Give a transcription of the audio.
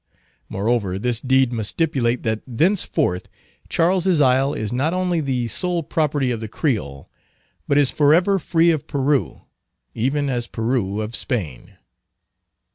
Moreover, this deed must stipulate that thenceforth Charles's Isle is not only the sole property of the Creole, but is forever free of Peru, even as Peru of Spain.